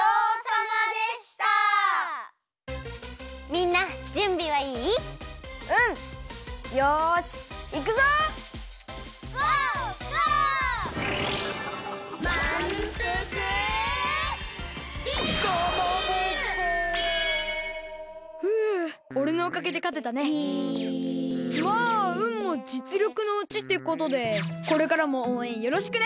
まあうんもじつりょくのうちってことでこれからもおうえんよろしくね！